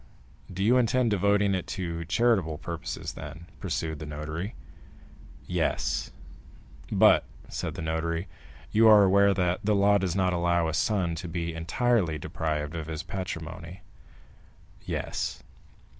"Do you intend devoting it to charitable purposes, then?" pursued the notary. "Yes." "But," said the notary, "you are aware that the law does not allow a son to be entirely deprived of his patrimony?" "Yes."